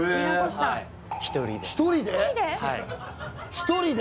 １人で？